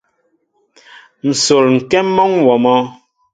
Nsol ŋkém mɔnwóó mɔ.